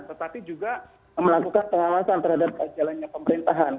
tetapi juga melakukan pengawasan terhadap jalannya pemerintahan